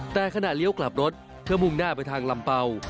แต่ขณะเลี้ยวกลับรถเพื่อมุ่งหน้าไปทางลำเป่า